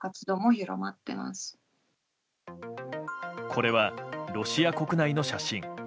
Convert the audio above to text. これは、ロシア国内の写真。